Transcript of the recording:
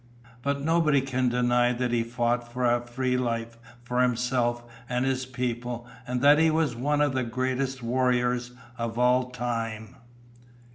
But nobody can deny that he fought for a free life for himself and his people and that he was one of the greatest warriors of all time.